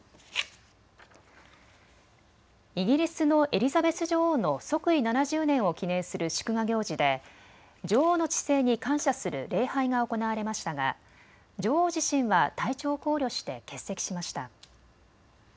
イギリスのエリザベス女王の即位７０年を記念する祝賀行事で女王の治世に感謝する礼拝が行われましたが女王自身は体調を考慮して欠席しました。